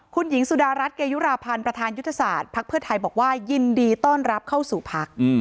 คุณหญิงสุดารัฐเกยุราพันธ์ประธานยุทธศาสตร์ภักดิ์เพื่อไทยบอกว่ายินดีต้อนรับเข้าสู่พัก